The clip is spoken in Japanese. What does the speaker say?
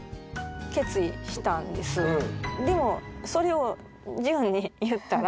でもそれをジュンに言ったら。